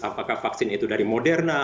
apakah vaksin itu dari moderna